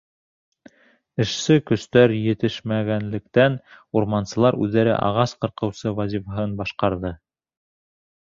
Эшсе көстәр етешмәгәнлектән, урмансылар үҙҙәре ағас ҡырҡыусы вазифаһын башҡарҙы.